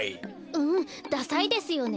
うんダサいですよね。